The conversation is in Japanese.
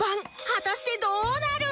果たしてどうなる！？